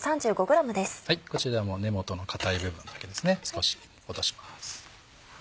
こちらも根元の硬い部分だけ少し落とします。